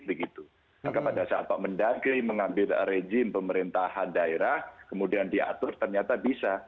maka pada saat pak mendagri mengambil rejim pemerintahan daerah kemudian diatur ternyata bisa